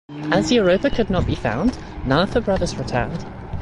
As Europa could not be found, none of the brothers returned.